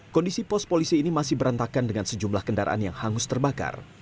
kondisi pos polisi ini masih berantakan dengan sejumlah kendaraan yang hangus terbakar